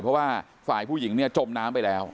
เพราะว่าฝ่ายผู้หญิงเนี่ยจมน้ำไปแล้ว